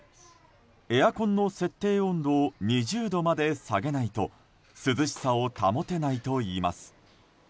エアコンの設定温度を２０度まで下げないと涼しさを保てないといいます。